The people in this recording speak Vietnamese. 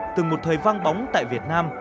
từ một thời vang bóng tại việt nam